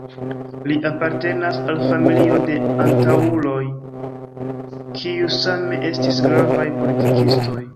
Li apartenas al familio de antaŭuloj kiuj same estis gravaj politikistoj.